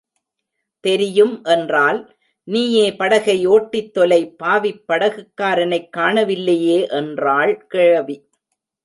தெரியும் என்றால், நீயே படகை ஒட்டித் தொலை பாவிப் படகுக்காரனைக் காணவில்லையே என்றாள் கிழவி.